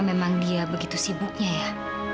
memang dia begitu sibuknya ya